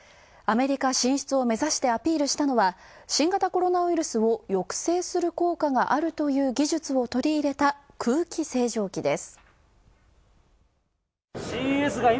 アメリカ進出を目指してアピールしたのは新型コロナウイルスを抑制する効果があるという技術を取り入れた空気清浄機です。